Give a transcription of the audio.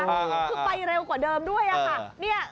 คือไปเร็วกว่าเดิมด้วยนะเนี่ย